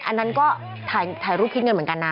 อันนั้นก็ถ่ายรูปคิดเงินเหมือนกันนะ